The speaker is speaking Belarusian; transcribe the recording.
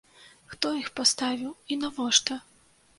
Хто іх паставіў і навошта?